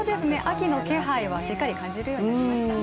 秋の気配はしっかり感じるようになりましたね